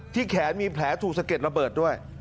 แขนมีแผลถูกสะเก็ดระเบิดด้วย